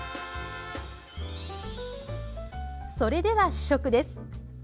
それでは試食です。